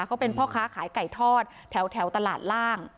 เขาเป็นพ่อค้าขายไก่ทอดแถวตลาดล่าง